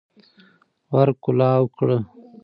ور کولاو کړه